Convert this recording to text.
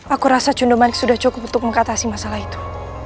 aku rasa condoman sudah cukup untuk mengatasi masalah itu